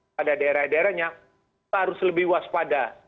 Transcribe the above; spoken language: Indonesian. pada daerah daerahnya kita harus lebih waspada